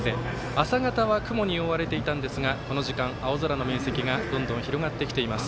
朝方は雲に覆われていたんですがこの時間、青空の面積がどんどん広がってきています。